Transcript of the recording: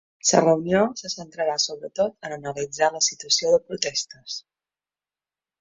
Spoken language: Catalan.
La reunió se centrarà sobretot en analitzar la situació de protestes.